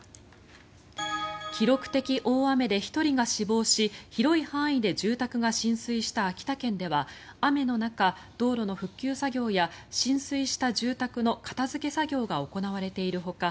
記録的大雨で１人が死亡し広い範囲で住宅が浸水した秋田県では雨の中、道路の復旧作業や浸水した住宅の片付け作業が行われているほか